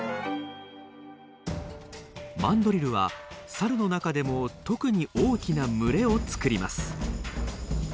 マンドリルはサルの中でも特に大きな群れを作ります。